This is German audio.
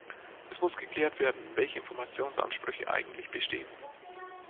Es muss geklärt werden, welche Informationsansprüche eigentlich bestehen.